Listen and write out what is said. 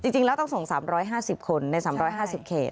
จริงแล้วต้องส่ง๓๕๐คนใน๓๕๐เขต